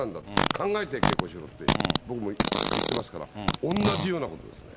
考えて稽古しろって、僕も言ってますから、同じようなことですね。